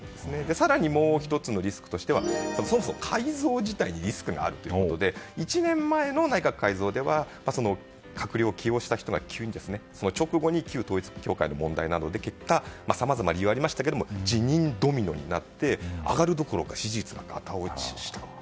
更にもう１つのリスクとしてはそもそも改造自体にリスクがあるということで１年前の内閣改造では閣僚を起用した直後に旧統一教会問題などの結果、さまざま理由はありましたけれども辞任ドミノになり上がるどころか支持率がガタ落ちした。